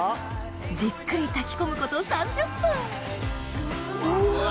じっくり炊き込むこと３０分うわ！